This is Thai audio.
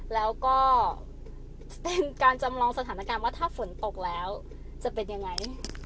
แล้วก็เป็นการจำลองสถานการณ์ว่าถ้าฝนตกแล้วจะเป็นยังไง